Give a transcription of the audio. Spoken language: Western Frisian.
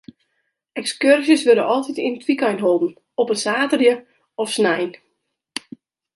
Ekskurzjes wurde altyd yn it wykein holden, op in saterdei of snein.